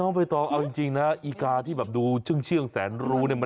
น้องเบตอเอาจริงนะอีกาที่ดูเชื่องแสนรู้